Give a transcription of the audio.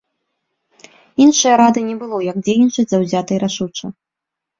Іншае рады не было як дзейнічаць заўзята і рашуча.